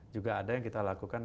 juga ada yang kita lakukan